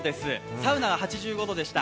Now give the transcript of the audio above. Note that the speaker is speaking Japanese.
サウナが８５度でした。